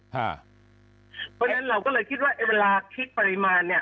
เพราะฉะนั้นเราก็เลยคิดว่าเวลาคิดปริมาณเนี่ย